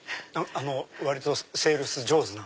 あの割とセールス上手な。